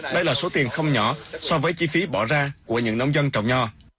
đây là số tiền không nhỏ so với chi phí bỏ ra của những nông dân trồng nho